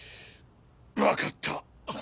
分かった。